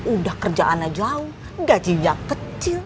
udah kerjaan aja gajinya kecil